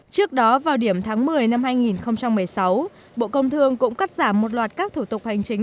trước đó vào điểm tháng một mươi năm hai nghìn một mươi sáu bộ công thương cũng cắt giảm một loạt các thủ tục hành chính